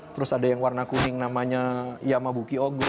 terus ada yang warna kuning namanya yamabuki ogu